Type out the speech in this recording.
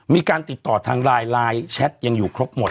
มีการติดต่อทางไลน์ไลน์แชทยังอยู่ครบหมด